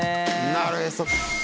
なるへそ。